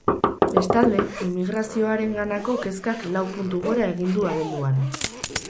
Bestalde, immigrazioarenganako kezkak lau puntu gora egin du abenduan.